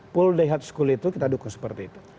pool day hard school itu kita dukung seperti itu